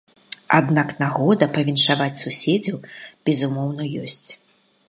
Аднак нагода павіншаваць суседзяў, безумоўна, ёсць.